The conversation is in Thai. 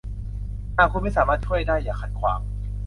หากคุณไม่สามารถช่วยได้อย่าขัดขวาง